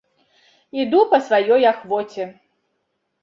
Іду па сваёй ахвоце.